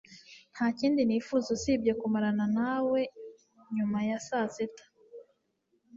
ntakindi nifuza usibye kumarana nawe nyuma ya saa sita